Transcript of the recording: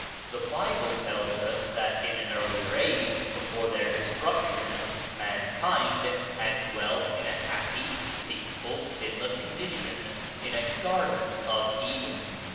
The Bible tells us that in an earlier age, before their destruction, mankind had dwelt in a happy, peaceful, sinless condition in a Garden of Eden.